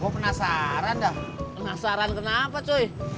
kok penasaran dah penasaran kenapa cuy